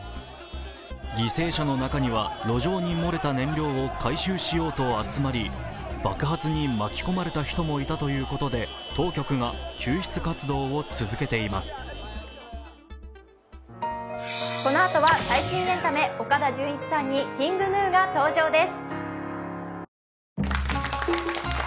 犠牲者の中には路上に漏れた燃料を回収しようと集まり爆発に巻き込まれた人もいたということで、当局が救出活動を続けています。